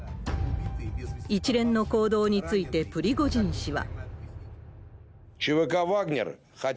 一連の行動についてプリゴジン氏は。